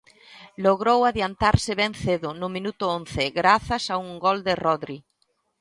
Logrou adiantarse ben cedo, no minuto once, grazas a un gol de Rodri.